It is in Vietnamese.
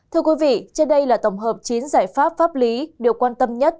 thưa quý vị trên đây là tổng hợp chín giải pháp pháp lý điều quan tâm nhất